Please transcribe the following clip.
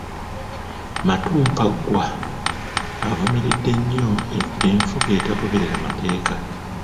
Matumpaggwa avumiridde nnyo enfuga etagoberera mateeka.